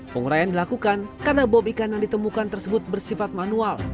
penguraian dilakukan karena bom ikan yang ditemukan tersebut bersifat manual